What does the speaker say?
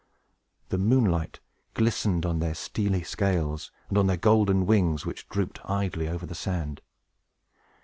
The moonlight glistened on their steely scales, and on their golden wings, which drooped idly over the sand.